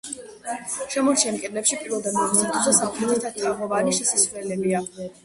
შემორჩენილ კედლებში, პირველ და მეორე სართულზე, სამხრეთით თაღოვანი შესასვლელებია.